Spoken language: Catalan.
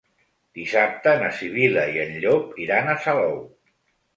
Dissabte na Sibil·la i en Llop iran a Salou.